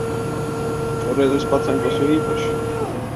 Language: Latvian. Šoreiz es pacentos jo īpaši.